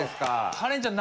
カレンちゃん